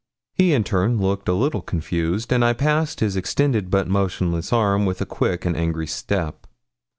He in turn looked a little confounded; and I passed his extended but motionless arm with a quick and angry step.